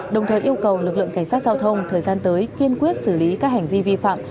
đồng thời yêu cầu lực lượng cảnh sát giao thông thời gian tới kiên quyết xử lý các hành vi vi phạm